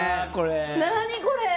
何これ！